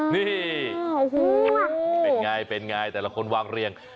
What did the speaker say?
นี่เป็นไงแต่ละคนวางเรียง